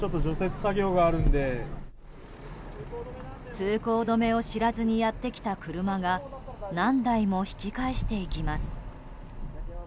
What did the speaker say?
通行止めを知らずにやってきた車が何台も引き返していきます。